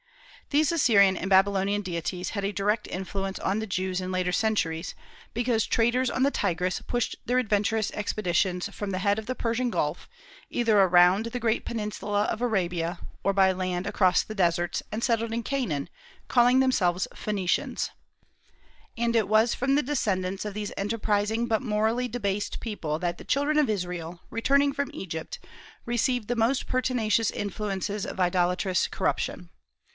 These Assyrian and Babylonian deities had a direct influence on the Jews in later centuries, because traders on the Tigris pushed their adventurous expeditions from the head of the Persian Gulf, either around the great peninsula of Arabia, or by land across the deserts, and settled in Canaan, calling themselves Phoenicians; and it was from the descendants of these enterprising but morally debased people that the children of Israel, returning from Egypt, received the most pertinacious influences of idolatrous corruption.